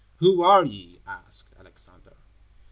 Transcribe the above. "Who are ye?" asked Alexander.